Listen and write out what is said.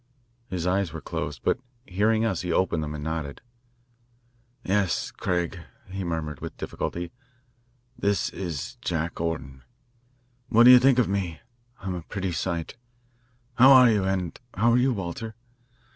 His eyes were closed, but hearing us he opened them and nodded. "Yes, Craig," he murmured with difficulty, "this is Jack Orton. What do you think of me? I'm a pretty sight. How are you? And how are you, Walter?